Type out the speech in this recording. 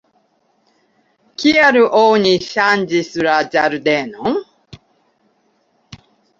Kial oni ŝanĝis la ĝardenon?